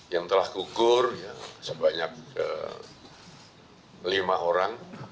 yang telah gugur sebanyak lima orang